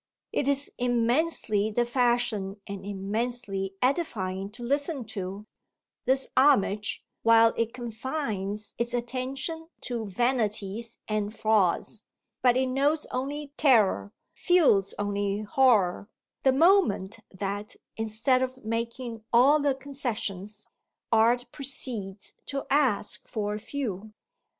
It is immensely the fashion and immensely edifying to listen to, this homage, while it confines its attention to vanities and frauds; but it knows only terror, feels only horror, the moment that, instead of making all the concessions, art proceeds to ask for a few.